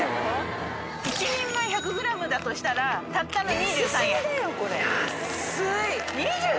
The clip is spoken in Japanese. １人前１００ｇだとしたらたったの２３円。